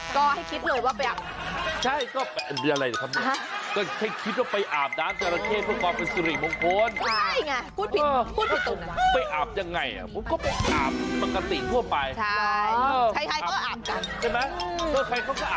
ก็หิวตะกร้าบ่าแล้วก็ไปอาบน้ำจรา